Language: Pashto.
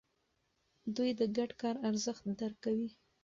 دوی د ګډ کار ارزښت درک کوي.